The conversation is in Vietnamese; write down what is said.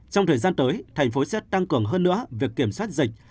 trong thời gian tới thành phố sẽ tăng cường hơn nữa việc kiểm soát dịch